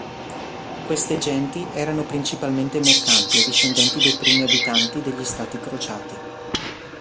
Queste genti erano principalmente mercanti o discendenti dei primi abitanti degli Stati crociati.